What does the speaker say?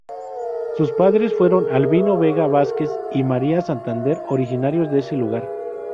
Sus padres fueron Albino Vega Vázquez y María Santander, originarios de ese lugar.